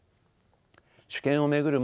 主権を巡る